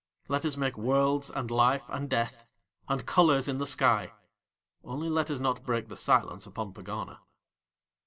Let Us make worlds and Life and Death, and colours in the sky; only let Us not break the silence upon Pegana."